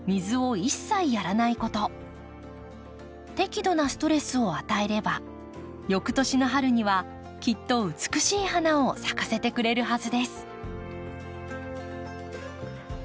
しっかり適度なストレスを与えれば翌年の春にはきっと美しい花を咲かせてくれるはずです。